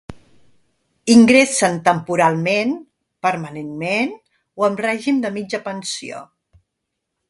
Ingressen temporalment, permanentment o amb règim de mitja pensió.